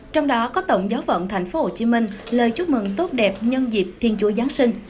trong đó có tổng giáo phận thành phố hồ chí minh lời chúc mừng tốt đẹp nhân dịp thiên chúa giáng sinh